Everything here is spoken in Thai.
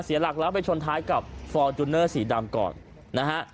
หลักแล้วไปชนท้ายกับฟอร์จูเนอร์สีดำก่อนนะฮะ